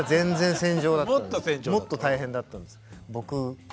もっと大変だったんです。